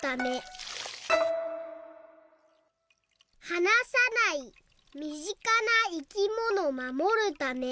「はなさないみぢかないきものまもるため」。